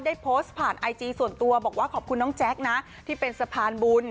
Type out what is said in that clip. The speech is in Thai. ได้โพสต์ผ่านไอจีส่วนตัวบอกว่าขอบคุณน้องแจ๊คนะที่เป็นสะพานบุญ